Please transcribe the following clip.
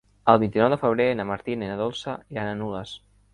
El vint-i-nou de febrer na Martina i na Dolça iran a Nules.